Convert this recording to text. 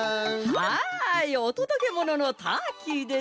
はいおとどけもののターキーです。